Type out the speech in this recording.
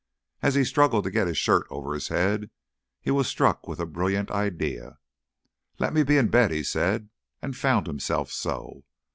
As he struggled to get his shirt over his head, he was struck with a brilliant idea. "Let me be in bed," he said, and found himself so.